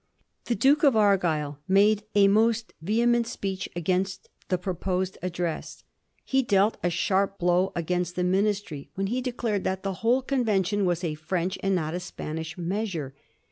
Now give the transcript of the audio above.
The Duke of Argyle made a most vehement speech against the proposed address. He dealt a sharp blow against the Ministry when he declared that the whole con vention was a French and not a Spanish measure.